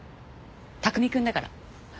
拓海くんだから。